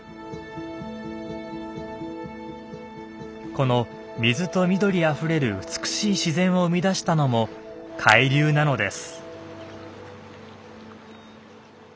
この水と緑あふれる美しい自然を生み出したのも海流なのです。